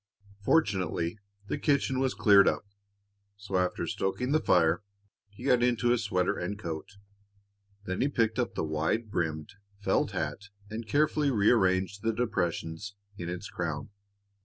Fortunately, the kitchen was cleared up, so after stoking the fire he got into his sweater and coat. Then he picked up the wide brimmed felt hat and carefully rearranged the depressions in its crown.